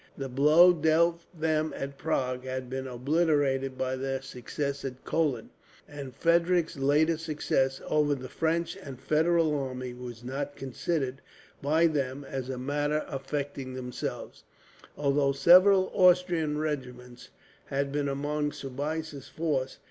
The blow dealt them at Prague had been obliterated by their success at Kolin; and Frederick's later success over the French and Federal army was not considered, by them, as a matter affecting themselves, although several Austrian regiments had been among Soubise's force.